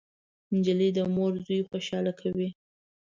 نجلۍ د مور زوی خوشحاله کوي.